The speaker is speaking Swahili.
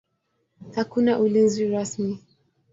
Hakuna ulinzi rasmi.